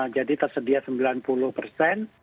jadi tersedia sembilan puluh persen